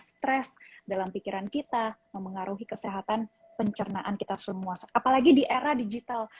stres dalam pikiran kita memengaruhi kesehatan pencernaan kita semua apalagi di era digital